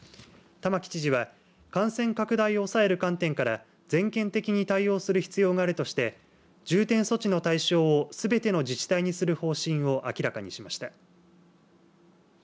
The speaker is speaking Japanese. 玉城知事は感染拡大を抑える観点から全県的に対応する必要があるとして重点措置の対象をすべての自治体にする方針を明らかにしました。